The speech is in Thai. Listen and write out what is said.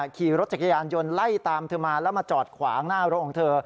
ขี่รถจักรยานยนต์ไล่ตามเธอมาแล้วมาจอดขวางหน้ารถของเธอ